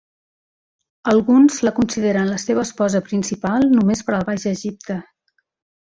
Alguns la consideren la seva esposa principal només per al Baix Egipte.